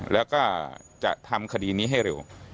แล้วก็จะทำคดีนี้ให้เร็ว